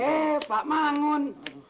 eh pak mangun